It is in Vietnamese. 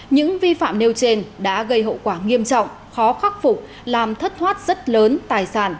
những vi phạm nêu trên đã gây hậu quả nghiêm trọng khó khắc phục làm thất thoát rất lớn tài sản